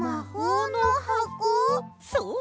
そう！